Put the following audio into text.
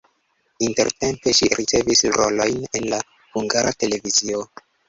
Intertempe ŝi ricevis rolojn en la Hungara Televizio.